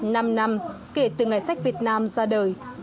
năm năm kể từ ngày sách việt nam ra đời